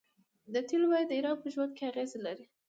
د تیلو بیه د ایران په ژوند اغیز لري.